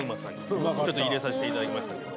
ちょっと入れさせていただきましたけど。